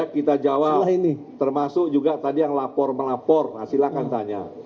kita jawab termasuk juga tadi yang lapor melapor silahkan tanya